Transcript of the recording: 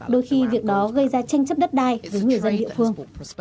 đôi khi việc đó gây ra tranh chấp đất đai với người dân địa phương